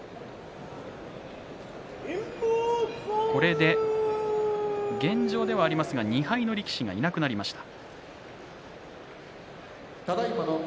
これで現状では２敗力士がいなくなりました。